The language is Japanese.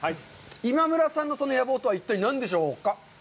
今村さんのその野望とは一体、何でしょうか？